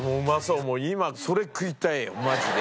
今それ食いたいマジで。